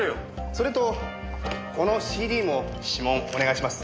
それとこのＣＤも指紋お願いします。